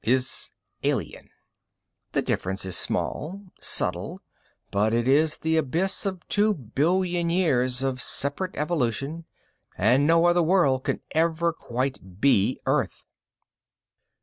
Is alien. The difference is small, subtle, but it is the abyss of two billion years of separate evolution, and no other world can ever quite be Earth.